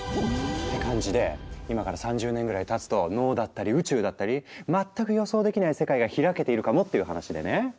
って感じで今から３０年ぐらいたつと脳だったり宇宙だったり全く予想できない世界が開けているかもっていう話でね。